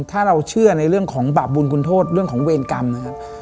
ถ้าเราเชื่อในเรื่องของบาปบุญคุณโทษเรื่องของเวรกรรมนะครับ